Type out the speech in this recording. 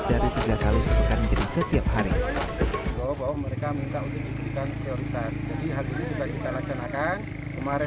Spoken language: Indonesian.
dan kemudian ke pulau saputi